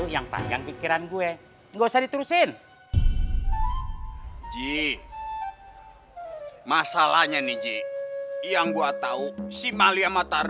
yang panjang pikiran gue nggak usah diturusin ji masalahnya nih ji yang gua tahu si mali amatar